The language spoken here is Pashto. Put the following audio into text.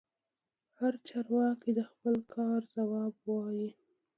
هر چارواکي د خپل کار ځواب وايي.